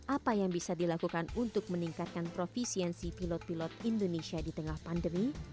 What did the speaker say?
apa yang bisa dilakukan untuk meningkatkan profesiensi pilot pilot indonesia di tengah pandemi